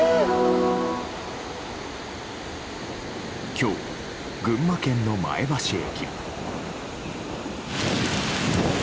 今日、群馬県の前橋駅。